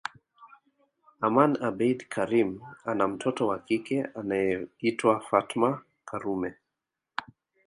Aman abeid Karim ana mtoto wa kike anayeitwa Fatma Karume